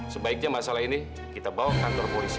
sebaiknya masalah ini kita bawa ke kantor polisi